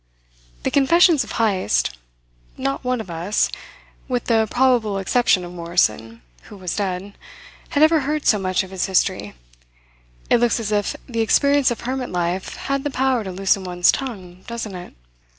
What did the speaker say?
The confessions of Heyst. Not one of us with the probable exception of Morrison, who was dead had ever heard so much of his history. It looks as if the experience of hermit life had the power to loosen one's tongue, doesn't it?